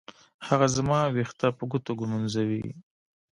هغه زما ويښته په ګوتو ږمنځوي.